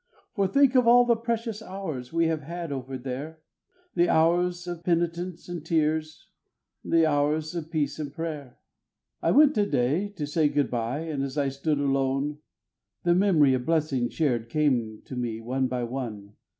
For think of all the precious hours we have had over there The hours of penitence and tears, the hours of peace and prayer. I went to day to say good bye, and as I stood alone, The memory of blessings shared came to me, one by one.